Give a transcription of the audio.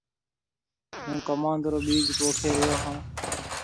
هُون ڪموُند رو ٻِيج پوکي ريو هون۔